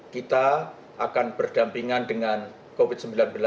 kita akan berdampingan dengan covid sembilan belas